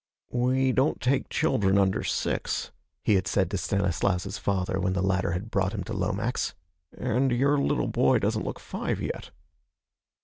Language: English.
'We don't take children under six,' he had said to Stanislaus's father when the latter had brought him to Lomax, 'and your little boy doesn't look five yet.'